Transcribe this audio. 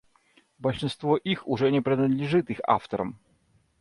Большинство их уже не принадлежит их авторам.